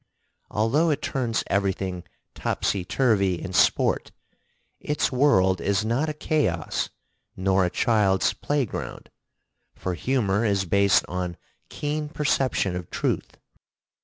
Although it turns everything topsy turvy in sport, its world is not a chaos nor a child's play ground, for humor is based on keen perception of truth.